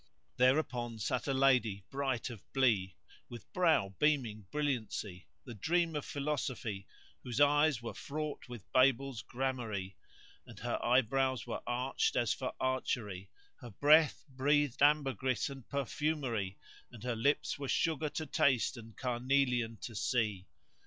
Thereupon sat a lady bright of blee, with brow beaming brilliancy, the dream of philosophy, whose eyes were fraught with Babel's gramarye[FN#149] and her eye brows were arched as for archery; her breath breathed ambergris and perfumery and her lips were sugar to taste and carnelian to see.